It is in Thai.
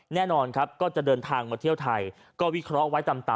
แน่นอนครับก็จะเดินทางมาเที่ยวไทยก็วิเคราะห์ไว้ตาม